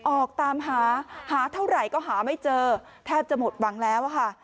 ออกตามหาหาเท่าไหร่ก็หาไม่เจอแทบจะหมดหวังแล้วค่ะ